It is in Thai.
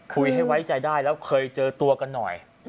คุยให้ไว้ใจได้แล้วเคยเจอตัวกันหน่อย